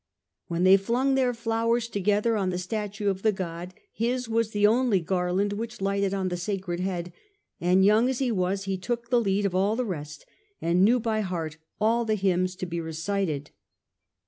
When they flung their flowers to gether on the statue of the god, his was the only garland which lighted on the sacred head, and young as he was he took the lead of all the rest, and knew by heart all the hymns to be recited.